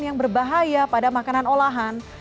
yang berbahaya pada makanan olahan